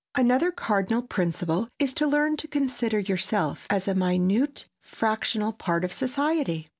Another cardinal principle is to learn to consider yourself as a minute fractional part of society.